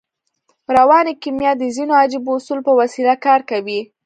رواني کیمیا د ځينو عجیبو اصولو په وسیله کار کوي